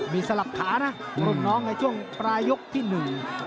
มีสลับขานะรุ่นน้องในช่วงปลายยกที่หนึ่ง